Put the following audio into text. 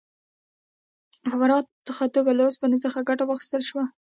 په پراخه توګه له اوسپنې څخه ګټه واخیستل شوه.